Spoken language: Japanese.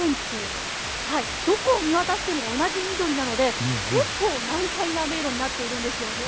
どこを見渡しても同じ緑なので結構、難解な迷路になっているんですよね。